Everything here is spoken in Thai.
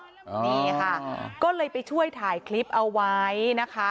นี่ค่ะก็เลยไปช่วยถ่ายคลิปเอาไว้นะคะ